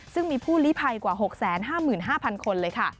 ซึ่งมีผู้ลิภัยกว่า๖๕๕๐๐คนเลยค่ะ